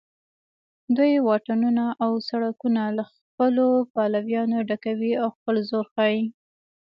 دوی واټونه او سړکونه له خپلو پلویانو ډکوي او خپل زور ښیي